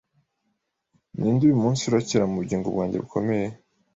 Ninde uyumunsi uracyera mubugingo bwanjye bukomeye